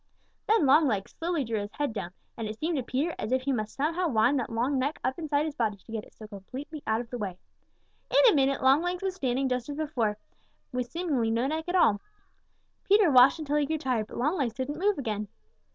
Then Longlegs slowly drew his head down, and it seemed to Peter as if he must somehow wind that long neck up inside his body to get it so completely out of the way. In a minute Longlegs was standing just as before, with seemingly no neck at all. Peter watched until he grew tired, but Longlegs didn't move again.